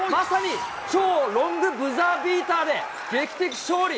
超ロングブザービーターで、劇的勝利。